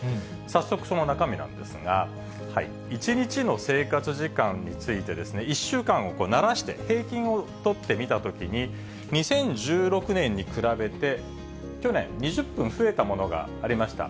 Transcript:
早速その中身なんですが、１日の生活時間について、１週間をならして、平均を取って見たときに、２０１６年に比べて、去年、２０分増えたものがありました。